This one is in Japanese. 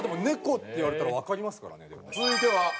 ネコって言われたらわかりますからねでも。